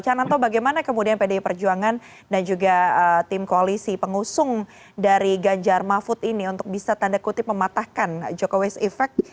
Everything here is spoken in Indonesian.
cananto bagaimana kemudian pdi perjuangan dan juga tim koalisi pengusung dari ganjar mahfud ini untuk bisa tanda kutip mematahkan jokowis effect